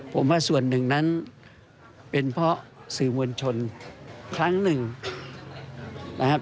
ผมว่าส่วนหนึ่งนั้นเป็นเพราะสื่อมวลชนครั้งหนึ่งนะครับ